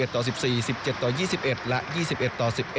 ต่อ๑๔๑๗ต่อ๒๑และ๒๑ต่อ๑๑